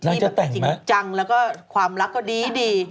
น่าจะแต่งไหมที่จริงจังแล้วก็ความรักก็ดี